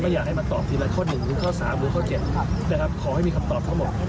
ไม่อยากให้มันตอบทีละข้อหนึ่งหรือข้อสามหรือข้อเจ็บแต่ครับขอให้มีคำตอบทั้งหมด